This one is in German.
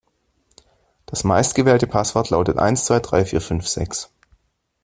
Das meistgewählte Passwort lautet eins zwei drei vier fünf sechs.